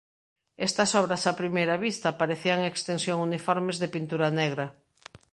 Estas obras a primeira vista parecían extensións uniformes de pintura negra.